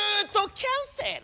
キャンセル。